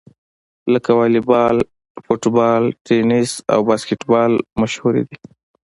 لکه واليبال، فوټبال، ټېنیس او باسکیټبال مشهورې دي.